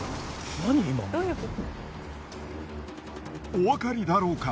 おわかりだろうか？